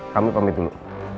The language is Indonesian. kami pamit dulu